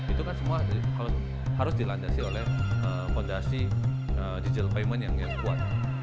itu kan semua harus dilandasi oleh fondasi digital payment yang kuat